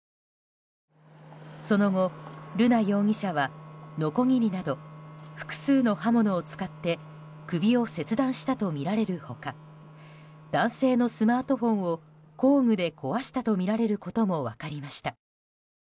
その後、瑠奈容疑者はのこぎりなど複数の刃物を使って首を切断したとみられる他男性のスマートフォンを工具で壊したとみられることも分かりました。